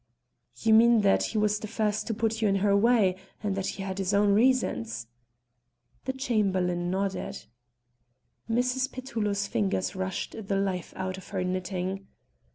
"You mean that he was the first to put her in your way, and that he had his own reasons?" The Chamberlain nodded. Mrs. Petullo's fingers rushed the life out of her knitting.